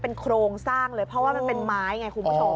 เป็นโครงสร้างเลยเพราะว่ามันเป็นไม้ไงคุณผู้ชม